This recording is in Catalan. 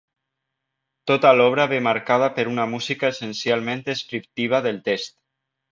Tota l'obra ve marcada per una música essencialment descriptiva del text.